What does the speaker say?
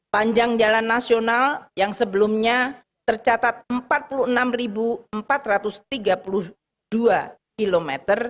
panjang jalan nasional yang sebelumnya tercatat empat puluh enam empat ratus tiga puluh dua km